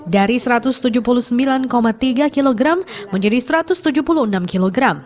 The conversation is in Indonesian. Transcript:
dari satu ratus tujuh puluh sembilan tiga kg menjadi satu ratus tujuh puluh enam kg